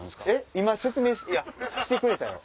今説明してくれたやろ。